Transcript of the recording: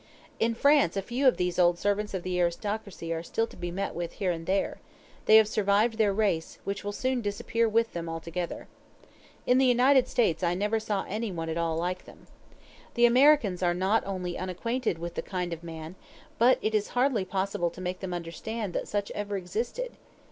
In France a few of these old servants of the aristocracy are still to be met with here and there; they have survived their race, which will soon disappear with them altogether. In the United States I never saw anyone at all like them. The Americans are not only unacquainted with the kind of man, but it is hardly possible to make them understand that such ever existed.